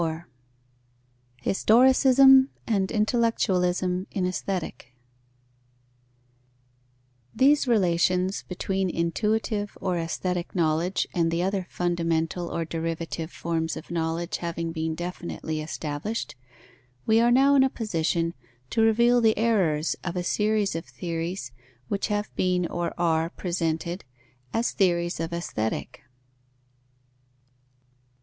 IV HISTORICISM AND INTELLECTUALISM IN AESTHETIC These relations between intuitive or aesthetic knowledge and the other fundamental or derivative forms of knowledge having been definitely established, we are now in a position to reveal the errors of a series of theories which have been, or are, presented, as theories of Aesthetic.